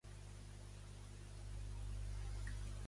El cognom és Wei: ve doble, e, i.